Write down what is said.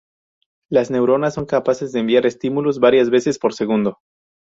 Las neuronas son capaces de enviar estímulos varias veces por segundo.